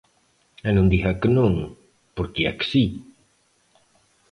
E non diga que non, porque é que si.